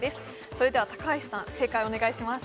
それでは高橋さん正解をお願いします